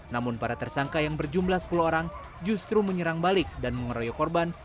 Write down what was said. namun para tersangka yang berjumlah sepuluh orang justru menyerang balik dan mengeroyok korban